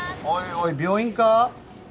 おいおい病院か？